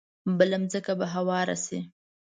بله ځمکه به هواره شي.